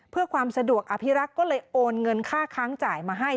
เพื่อความสะดวกอภิรักษ์ก็เลยโอนเงินค่าค้างจ่ายมาให้